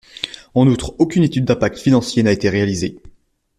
En outre, aucune étude d’impact financier n’a été réalisée.